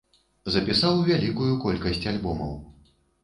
Запісаў вялікую колькасць альбомаў.